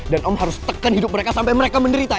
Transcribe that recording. dan om harus tekan hidup mereka sampai mereka menderita